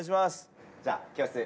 じゃあ。